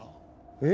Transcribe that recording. えっ？